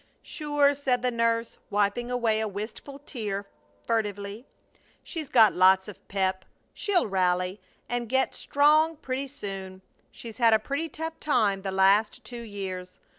"Sure!" said the nurse, wiping away a wistful tear furtively. "She's got lots of pep. She'll rally and get strong pretty soon. She's had a pretty tough time the last two years.